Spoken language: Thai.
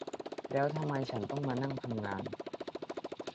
แล้วทำไมฉันต้องมานั่งทำงาน